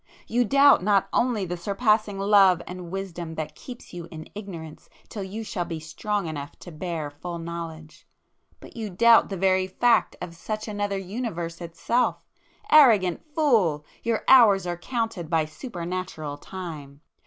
You doubt not only the surpassing Love and Wisdom that keeps you in ignorance till you shall be strong enough to bear full knowledge, but you doubt the very fact of such another universe itself. Arrogant fool!—your hours are counted by Super natural time!